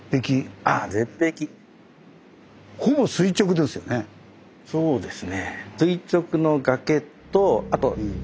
あそうですね。